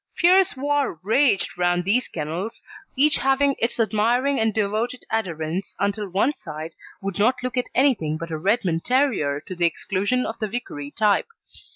Fierce war raged round these kennels, each having its admiring and devoted adherents, until one side would not look at anything but a Redmond Terrier to the exclusion of the Vicary type.